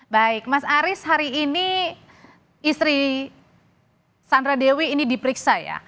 baik mas aris hari ini istri sandra dewi ini diperiksa ya